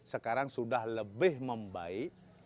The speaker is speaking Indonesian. sekarang sudah lebih membaik